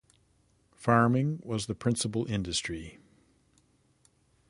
Farming was the principal industry.